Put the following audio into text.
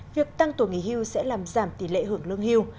việc tăng tuổi nghỉ hưu sẽ làm giảm tỷ lệ hưởng lương hưu